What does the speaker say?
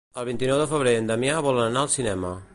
El vint-i-nou de febrer en Damià vol anar al cinema.